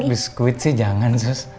kalau biskuit sih jangan sus